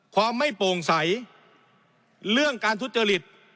ความไม่โปร่งใสเรื่องการทุจริต